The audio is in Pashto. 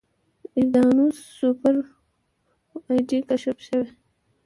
د ایریدانوس سوپر وایډ کشف شوی.